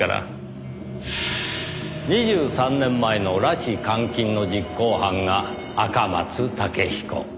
２３年前の拉致監禁の実行犯が赤松建彦。